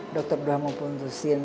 dokter doamu pun tusin